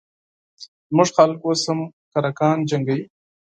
زموږ خلک اوس هم کرکان جنګوي